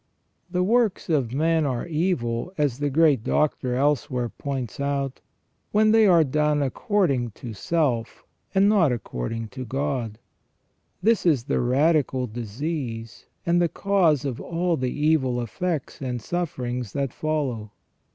The works of men are evil, as the great Doctor elsewhere points out, when they are done according to self, and not according to God. This is the radical disease, and the cause of all the evil effects and sufferings that follow.